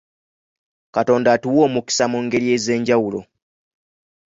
Katonda atuwa omukisa mu ngeri ez'enjawulo.